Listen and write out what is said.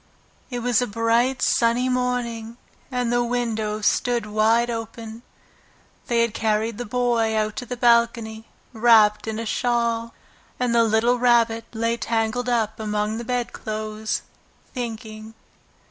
It was a bright, sunny morning, and the windows stood wide open. They had carried the Boy out on to the balcony, wrapped in a shawl, and the little Rabbit lay tangled up among the bedclothes, thinking.